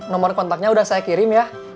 nomor kontaknya sudah saya kirim ya